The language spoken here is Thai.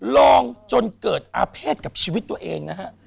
ลองจนเกิดอาเภษกับชีวิตตัวเองนะฮะ